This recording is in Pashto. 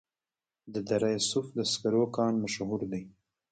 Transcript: د دره صوف د سکرو کان مشهور دی